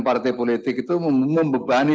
partai politik itu membebani